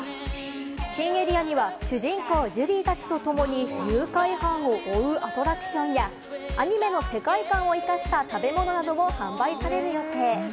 新エリアには主人公・ジュディたちと共に誘拐犯を追うアトラクションや、アニメの世界観を生かした食べ物なども販売される予定。